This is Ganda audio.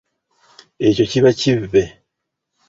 Ekyo kiba kivve.